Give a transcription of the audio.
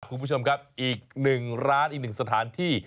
คุณผู้ชมครับอีกหนึ่งร้านอีกหนึ่งสถานที่